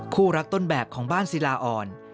คู่รักต้นแบบของบ้านศิลาอ่อน